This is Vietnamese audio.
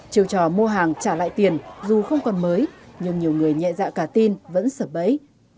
chiều trò mua hàng trả lại tiền dù không còn mới nhưng nhiều người nhẹ dạo cả tin vẫn sợ bấy